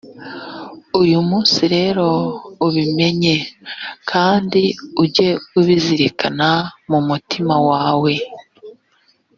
uyu munsi rero ubimenye kandi ujye ubizirikana mu mutima wawe: